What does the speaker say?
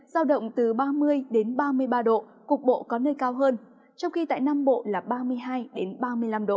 giao động từ ba mươi ba mươi ba độ cục bộ có nơi cao hơn trong khi tại nam bộ là ba mươi hai ba mươi năm độ